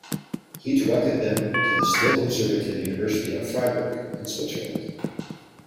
He directed them to the still conservative University of Fribourg, in Switzerland.